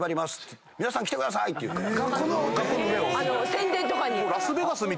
宣伝とかに。